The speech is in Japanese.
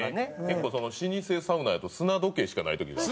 結構老舗サウナやと砂時計しかない時があって。